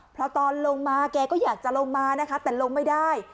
เพราะตอนลงมาแกก็อยากจะลงมานะคะแต่ลงไม่ได้